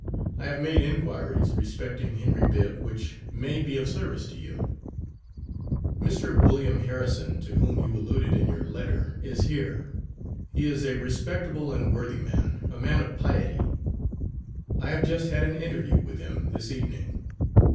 I have made inquiries respecting Henry Bibb which may be of service to you. Mr. Wm. Harrison, to whom you alluded in your letter, is here. He is a respectable and worthy man a man of piety. I have just had an interview with him this evening.